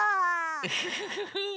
ウフフフフ。